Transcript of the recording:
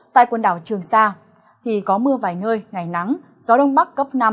tại quần đảo trường sa thì có mưa vài nơi ngày nắng gió đông bắc cấp năm